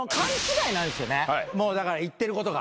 もうだから言ってることが。